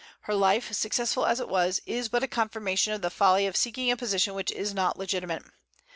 Her life, successful as it was, is but a confirmation of the folly of seeking a position which is not legitimate.